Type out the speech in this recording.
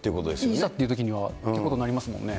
いざっていうときにはということになりますよね。